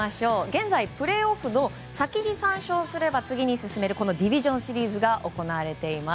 現在プレーオフの先に３勝すれば次に進めるディビジョンシリーズが行われています。